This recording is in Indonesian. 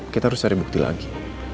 kita harus cari bukti lagi